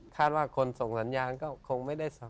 ว่าคนส่งสัญญาณก็คงไม่ได้